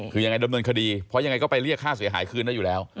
คือยังไงดำเนินคดีเพราะยังไงก็ไปเรียกค่าเสียหายคืนได้อยู่แล้ว